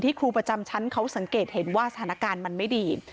ครูประจำชั้นเขาสังเกตเห็นว่าสถานการณ์มันไม่ดี